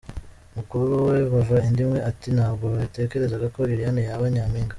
Mukuru we bava indi imwe ati: "Ntabwo natekerezaga ko Liliane yaba Nyampinga.